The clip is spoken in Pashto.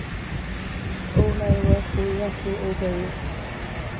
اوړی و خو یخې وې.